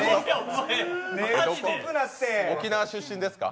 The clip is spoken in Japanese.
沖縄出身ですか？